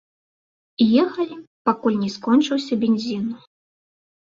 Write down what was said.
Ехалі, пакуль не скончыўся бензін.